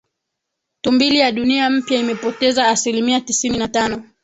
tumbili ya Dunia Mpya imepoteza asilimia tisini na tano